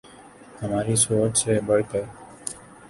ہماری سوچ سے بڑھ کر